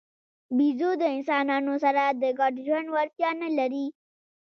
بیزو د انسانانو سره د ګډ ژوند وړتیا نه لري.